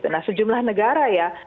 nah sejumlah negara ya